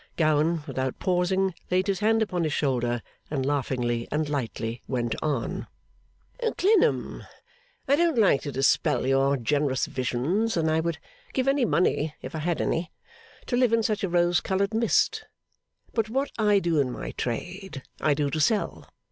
Gowan, without pausing, laid his hand upon his shoulder, and laughingly and lightly went on: 'Clennam, I don't like to dispel your generous visions, and I would give any money (if I had any), to live in such a rose coloured mist. But what I do in my trade, I do to sell.